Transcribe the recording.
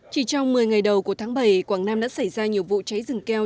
chỉ trong một mươi ngày đầu của tháng bảy quảng nam đã xảy ra nhiều vụ cháy rừng keo